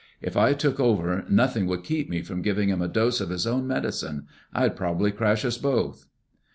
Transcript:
If I took over nothing could keep me from giving him a dose of his own medicine. I'd probably crash us both."